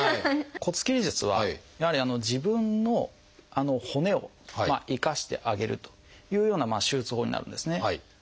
骨切り術はやはり自分の骨を生かしてあげるというような手術法になるんですね。